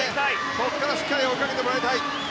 ここからしっかり追いかけてもらいたい。